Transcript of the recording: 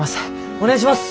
お願いします！